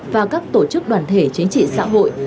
và các tổ chức đoàn thể chính trị xã hội